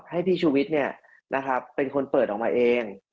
ให้พี่ชูวิทย์เป็นคนเปิดออกมาเอง